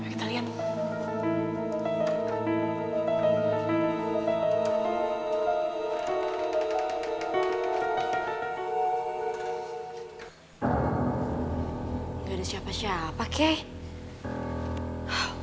gak ada siapa siapa kek